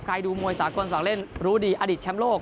ใครดูมวยสากลสลักเล่นรู้ดีอดิษฐ์แชมป์โลก